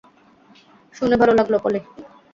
শুনে ভালো লাগল, পলি।